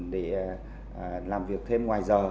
để làm việc thêm ngoài giờ